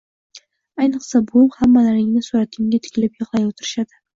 Ayniqsa buvim, hammalaringni suratinga tikilib, yig’lab o’tirishadi